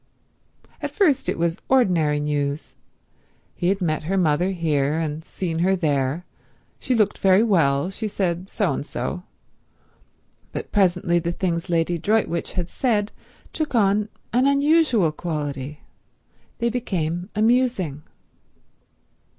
At first it was ordinary news. He had met her mother here, and seen her there. She looked very well; she said so and so. But presently the things Lady Droitwich had said took on an unusual quality: they became amusing.